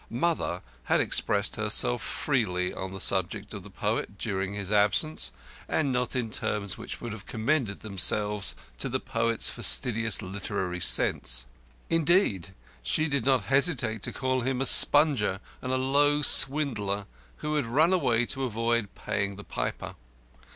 "Mother" had expressed herself freely on the subject of the poet during his absence, and not in terms which would have commended themselves to the poet's fastidious literary sense. Indeed, she did not hesitate to call him a sponger and a low swindler, who had run away to avoid paying the piper.